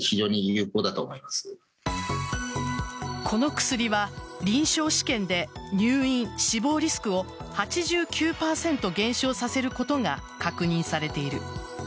この薬は臨床試験で入院、死亡リスクを８９％減少させることが確認されている。